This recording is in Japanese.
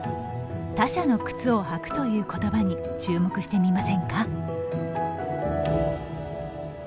「他者の靴を履く」ということばに注目してみませんか？